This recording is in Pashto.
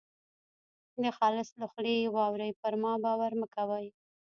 د خالص له خولې یې واورۍ پر ما باور مه کوئ.